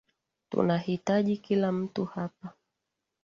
Tunahitaji kila mtu hapa